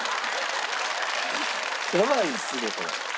やばいっすねこれ。